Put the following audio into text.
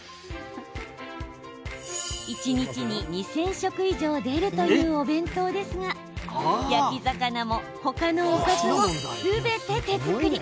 一日に２０００食以上出るというお弁当ですが、焼き魚も他のおかずも、すべて手作り。